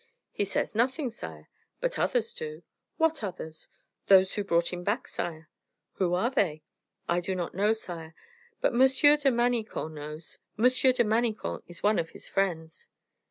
"He says nothing, sire; but others do." "What others?" "Those who brought him back, sire." "Who are they?" "I do not know, sire; but M. de Manicamp knows. M. de Manicamp is one of his friends."